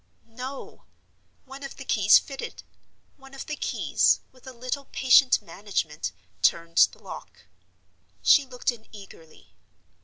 No! One of the keys fitted; one of the keys, with a little patient management, turned the lock. She looked in eagerly.